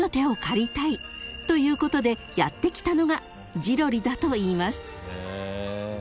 ［ということでやって来たのがジロリだといいます］